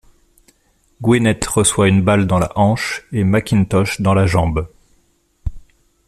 Gwinnett reçoit une balle dans la hanche et McIntosh dans la jambe.